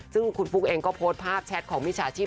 ซึ่งคุณปุ๊กเองก็โพสต์ภาพแชทของมิจฉาชีพ